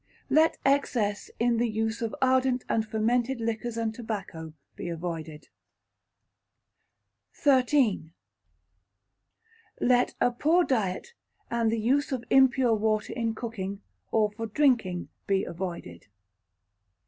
Let Excess in the use of ardent and fermented liquors and tobacco be avoided. xiii. Let a Poor Diet, and the use of impure water in cooking, or for drinking, be avoided.